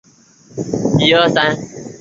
韦尼格罗德处于欧洲中部的温带气候区。